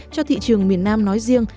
cho thị trường miền nam nói riêng